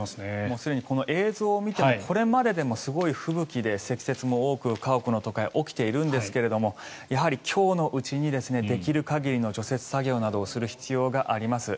すでにこの映像を見てもこれまででもすごい吹雪で積雪も多く、家屋の倒壊起きているんですけれどもやはり、今日のうちにできる限りの除雪作業などをする必要があります。